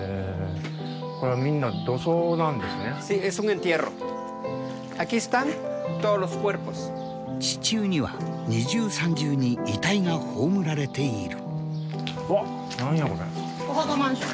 これはみんな地中には二重三重に遺体が葬られている。